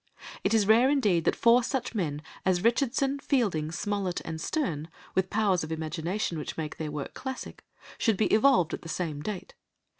It is rare indeed that four such men as Richardson, Fielding, Smollett, and Sterne, with powers of imagination which make their work classic, should be evolved at the same date.